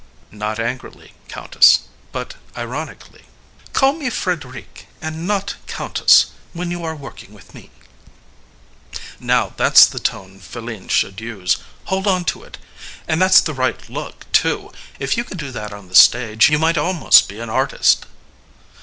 AMADEUS Not angrily, Countess, but ironically. FREDERIQUE Call me Frederique, and not Countess, when you are working with me. AMADEUS Now, that's the tone Philine should use. Hold on to it.... And that's the right look, too.... If you could do that on the stage, you might almost be an artist.